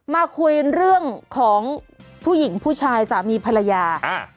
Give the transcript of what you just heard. มาคุยเรื่องของผู้หญิงผู้ชายสามีภรรยาอ่า